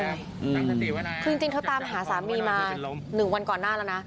คือจริงเธอตามหาสามีมา๑วันก่อนหน้าแล้วนะ